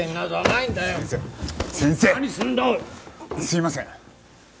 すいません。